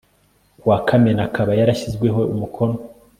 ku wa Kamena akaba yarashyizweho Umukono